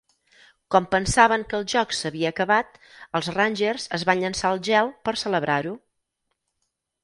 Com pensaven que el joc s'havia acabat, els Rangers es van llençar al gel per celebrar-ho.